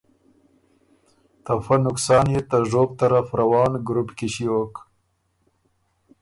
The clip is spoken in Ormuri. ته فۀ نقصان يې ته ژوب طرف روان ګروپ کی ݭیوک